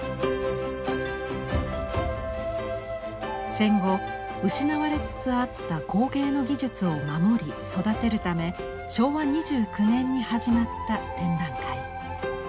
戦後失われつつあった工芸の技術を守り育てるため昭和２９年に始まった展覧会。